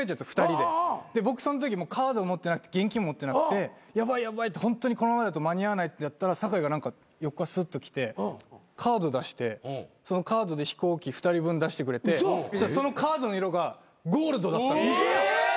で僕そんときカード持ってなくて現金持ってなくてヤバいホントにこのままだと間に合わないってなったら酒井が横からスッと来てカード出してそのカードで飛行機２人分出してくれてそのカードの色がゴールドだった。